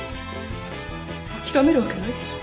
諦めるわけないでしょ。